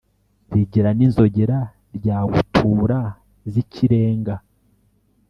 Rigira n’inzogera, ryagutura zikirenga.